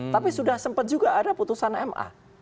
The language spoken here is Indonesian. tapi sudah sempat juga ada putusan ma